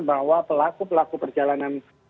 bahwa pelaku pelaku perjalanan